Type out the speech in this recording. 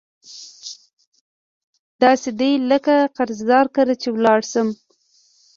داسي دي لکه قرضدار کره چی لاړ شم